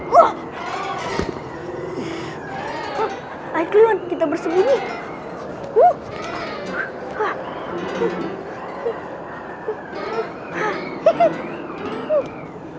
hai hai klon kita bersembunyi uh